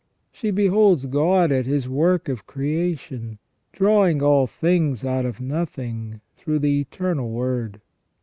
She beholds God at His work of creation, drawing all things out of nothing through the Eternal Word.